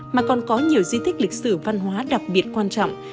mà còn có nhiều di tích lịch sử văn hóa đặc biệt quan trọng